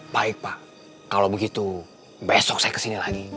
baik pak kalau begitu besok saya kesini lagi